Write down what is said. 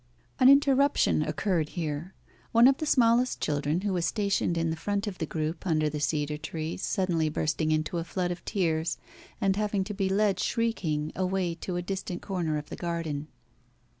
An interruption occurred here one of the smallest children who was stationed in the front of the group under the cedar tree suddenly bursting into a flood of tears, and having to be led, shrieking, away to a distant corner of the garden.